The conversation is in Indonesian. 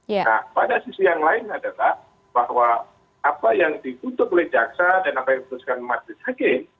nah pada sisi yang lain adalah bahwa apa yang dikutuk oleh jaksa dan apa yang diputuskan majelis hakim